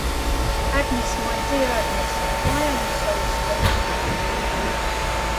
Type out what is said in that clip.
Agnes, my dearest Agnes, why are you so estranged?